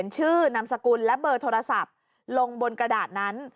ชื่อนามสกุลและเบอร์โทรศัพท์ลงบนกระดาษนั้น